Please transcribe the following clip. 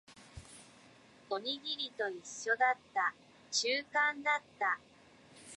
おにぎりと一緒だった。習慣だった。